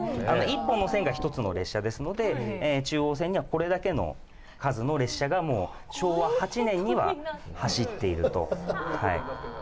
１本の線が１つの列車ですので中央線にはこれだけの数の列車がもう昭和８年には走っているとはい。